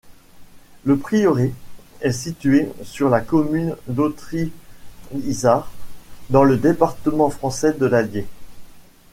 Le prieuré est situé sur la commune d'Autry-Issards, dans le département français de l'Allier.